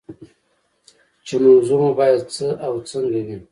چې موضوع مو باید څه او څنګه وي.